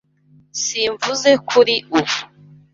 Simvuze kuri ubu.